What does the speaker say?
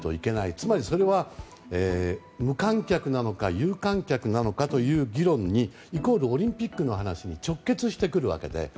つまり、それは無観客なのか有観客なのかという議論にイコール、オリンピックの話に直結してくるわけで。